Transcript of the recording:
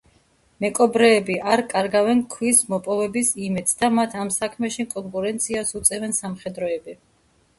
მეკობრეები არ კარგავენ ქვის მოპოვების იმედს და მათ ამ საქმეში კონკურენციას უწევენ სამხედროები.